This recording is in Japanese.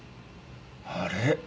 あれ？